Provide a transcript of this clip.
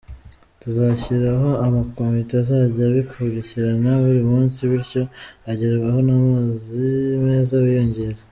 Tuzashyiraho amakomite azajya abikurikirana buri munsi bityo abagerwaho n’amazi meza biyongere.